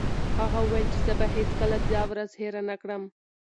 هغه وویل چې زه به هیڅکله دا ورځ هېره نه کړم.